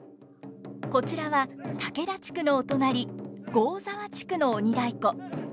こちらは竹田地区のお隣合沢地区の鬼太鼓。